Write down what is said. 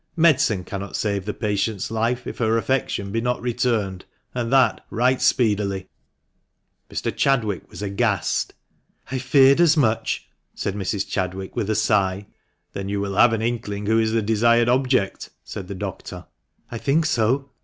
Medicine cannot save the patient's life if her affection be not returned, and that right speedily." Mr. Chadwick was aghast. "I feared as much," said Mrs. Chadwick, with a sigh. " Then you will have an inkling who is the desired object ?" said the doctor. "I think so."